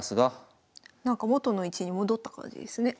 なんか元の位置に戻った感じですね